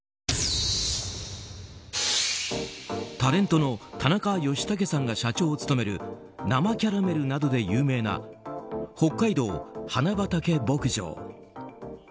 タレントの田中義剛さんが社長を務める生キャラメルなどで有名な北海道、花畑牧場。